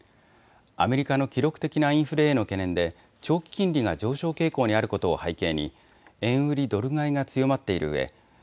アメリカの記録的なインフレへの懸念で長期金利が上昇傾向にあることを背景に円売りドル買いが強まっているうえ